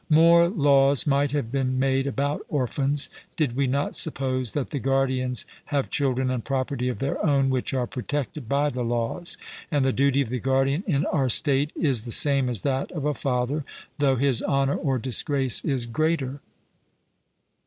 More laws might have been made about orphans, did we not suppose that the guardians have children and property of their own which are protected by the laws; and the duty of the guardian in our state is the same as that of a father, though his honour or disgrace is greater.